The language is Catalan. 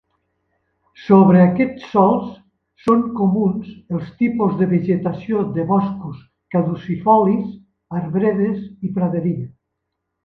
Sobre aquests sòls són comuns els tipus de vegetació de boscos caducifolis, arbredes i praderia.